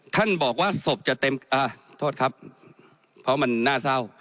ท่านบอกว่าศพจะเต็มอ่าโทษครับเพราะมันน่าเศร้า